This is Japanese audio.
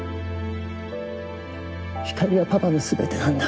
ひかりはパパの全てなんだ。